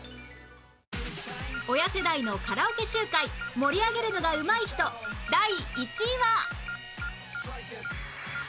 親世代のカラオケ集会盛り上げるのがうまい人第１位は